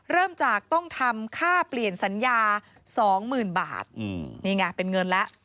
เริ่มจากต้องทำค่าเปลี่ยนสัญญา๒๐๐๐บาทนี่ไงเป็นเงินแล้ว